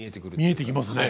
見えてきますね。